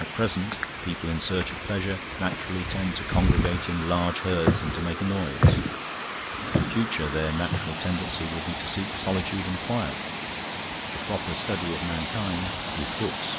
At present people in search of pleasure naturally tend to congregate in large herds and to make a noise; in future their natural tendency will be to seek solitude and quiet. The proper study of mankind is books."